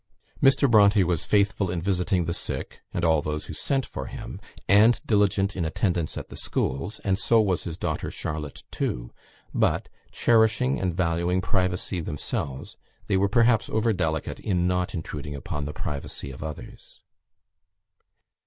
Mr. Bronte was faithful in visiting the sick and all those who sent for him, and diligent in attendance at the schools; and so was his daughter Charlotte too; but, cherishing and valuing privacy themselves, they were perhaps over delicate in not intruding upon the privacy of others.